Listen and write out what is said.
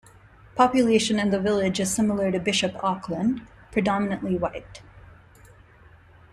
Population in the village is similar to Bishop Auckland, predominantly white.